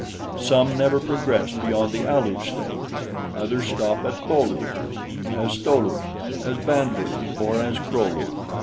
Some never progress beyond the Alu stage; others stop as Bo lu, as Sto lu, as Band lu or as Kro lu.